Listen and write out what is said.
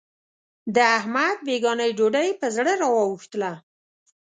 د احمد بېګانۍ ډوډۍ په زړه را وا وښتله.